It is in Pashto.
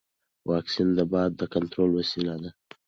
واکسن د وبا د کنټرول وسیله ده.